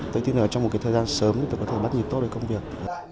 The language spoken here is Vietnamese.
tôi tin là trong một thời gian sớm mình có thể bắt nhìn tốt công việc